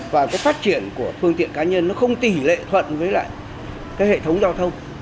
và cái phát triển của phương tiện cá nhân nó không tỷ lệ thuận với lại cái hệ thống giao thông